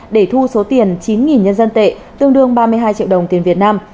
để thu số tiền chín nhân dân tệ tương đương ba mươi hai triệu đồng tiền việt nam